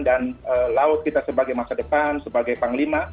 dan laut kita sebagai masa depan sebagai panglima